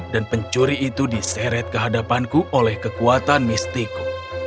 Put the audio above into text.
dan pencuri itu diseret kehadapanku oleh kekuatan mistiku